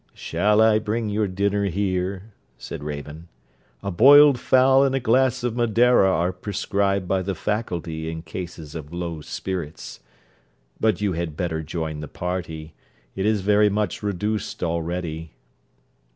'Shall I bring your dinner here?' said Raven. 'A boiled fowl and a glass of Madeira are prescribed by the faculty in cases of low spirits. But you had better join the party: it is very much reduced already.'